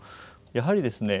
やはりですね